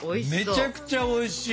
めちゃくちゃおいしい。